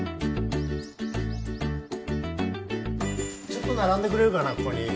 ちょっと並んでくれるかなここに。